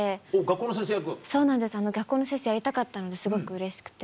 学校の先生やりたかったのですごくうれしくて。